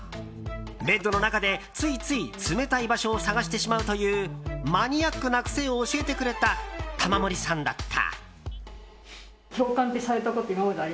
ベッドの中でついつい冷たい場所を探してしまうというマニアックな癖を教えてくれた玉森さんだった。